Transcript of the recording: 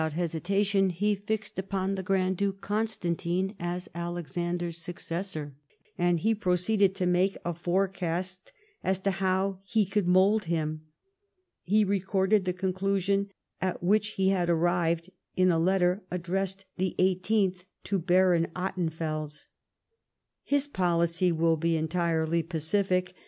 1G5 hesitation he fixed ujjon the Grand Duke Constantine as Alexander's successor, and he proceeded to make a fore cast as to how he could mould him. lie recorded the conclusion at which he had arrived in a letter addressed, the 18th, to Baron Ottenfels. " His policy will be entirely pacific.